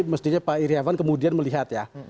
mestinya pak iryafan kemudian melihat ya